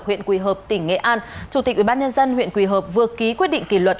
huyện quỳ hợp tỉnh nghệ an chủ tịch ubnd huyện quỳ hợp vừa ký quyết định kỷ luật